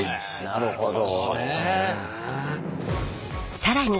なるほど。